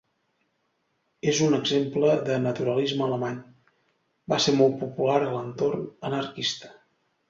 És un exemple de naturalisme alemany, va ser molt popular a l'entorn anarquista.